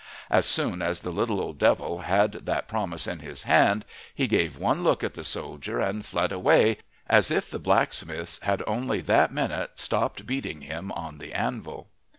As soon as the little old devil had that promise in his hand he gave one look at the soldier and fled away as if the blacksmiths had only that minute stopped beating him on the anvil.